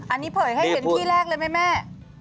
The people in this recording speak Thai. อันนี้เผยให้เห็นที่แรกเลยไหมแม่